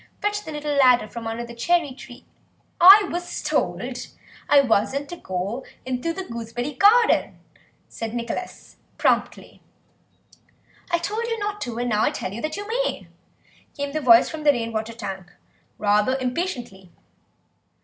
Fetch the little ladder from under the cherry tree—" "I was told I wasn't to go into the gooseberry garden," said Nicholas promptly. "I told you not to, and now I tell you that you may," came the voice from the rain water tank, rather impatiently.